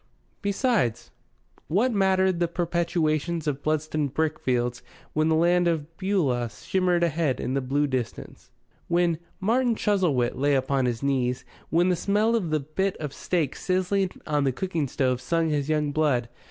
Besides, what mattered the perpetuations of Bludston brickfields when the Land of Beulah shimmered ahead in the blue distance, when "Martin Chuzzlewit" lay open on his knees, when the smell of the bit of steak sizzling on the cooking stove stung his young blood?